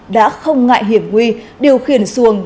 đã không ngại hiểm nguy điều khiển xuồng